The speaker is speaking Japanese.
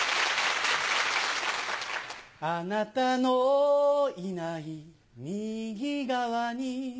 あなたのいない右側に